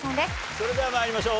それでは参りましょう。